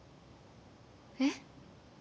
えっ？